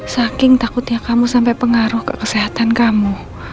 saking takutnya kamu sampai pengaruh ke kesehatan kamu